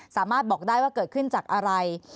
สามารถบอกได้ว่าเกิดขึ้นจากอะไร